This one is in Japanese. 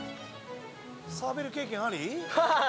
サーベル経験あり？